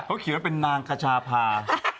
เขาเขียนว่าเป็นนางคชาพา